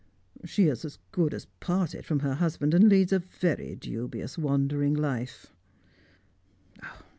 "She is as good as parted from her husband, and leads a very dubious wandering life."